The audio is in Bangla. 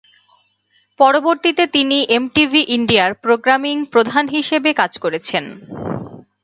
পরবর্তীতে তিনি এমটিভি ইন্ডিয়ার প্রোগ্রামিং প্রধান হিসেবে কাজ করেছেন।